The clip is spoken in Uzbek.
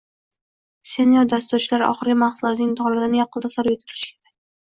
Senior dasturchilar oxirgi mahsulotning holatini yaqqol tasavvur eta olishlari kerak